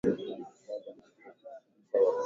kukamatwa hivi sasa na Jamhuri ya Kidemokrasi ya Kongo